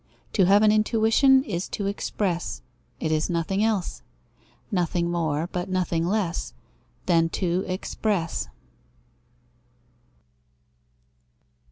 To have an intuition is to express. It is nothing else! (nothing more, but nothing less) than to express.